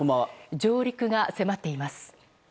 上陸が迫っています。